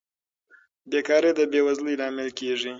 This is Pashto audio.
بېکاري د بې وزلۍ لامل کیږي.